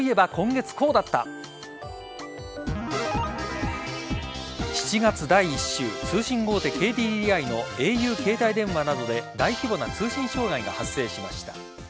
７月第１週通信大手・ＫＤＤＩのａｕ携帯電話などで大規模な通信障害が発生しました。